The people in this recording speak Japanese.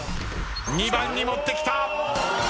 ２番に持ってきた。